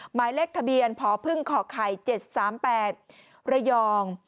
หมายเลขทะเบียนพพไข่๗๓๘ระยอง